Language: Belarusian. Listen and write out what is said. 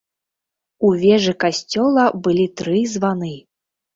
У вежы касцёла былі тры званы.